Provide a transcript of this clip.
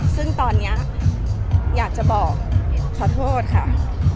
ซึ่งตอนนี้อยากจะบอกขอโทษค่ะ